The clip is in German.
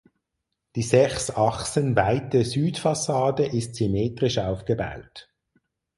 Die sechs Achsen weite Südfassade ist symmetrisch aufgebaut.